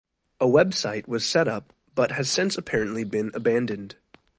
A website was set up but has since apparently been abandoned.